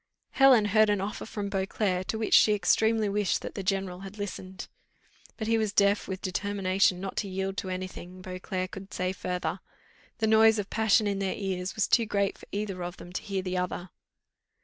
Helen heard an offer from Beauclerc, to which she extremely wished that the general had listened. But he was deaf with determination not to yield to any thing Beauclerc could say further: the noise of passion in their ears was too great for either of them to hear the other.